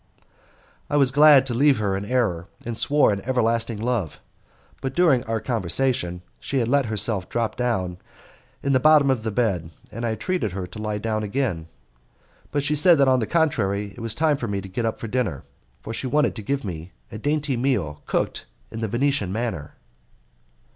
I was glad to leave her in error, and swore an ever lasting love; but during our conversation she had let herself drop down in the bottom of the bed, and I entreated her to lie down again; but she said that on the contrary it was time for me to get up for dinner, for she wanted to give me a dainty meal cooked in the Venetian manner.